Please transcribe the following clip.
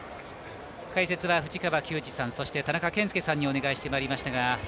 解説は、藤川球児さんと田中賢介さんにお願いしてまいりました。